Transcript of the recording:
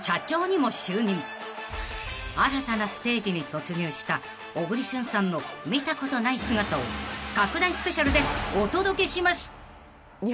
［新たなステージに突入した小栗旬さんの見たことない姿を拡大ＳＰでお届けします］